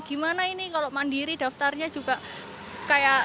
gimana ini kalau mandiri daftarnya juga kayak